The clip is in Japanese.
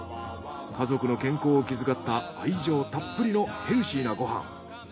家族の健康を気遣った愛情たっぷりのヘルシーなご飯。